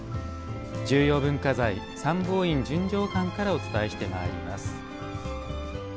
重要文化財・三宝院純浄観からお伝えしてまいります。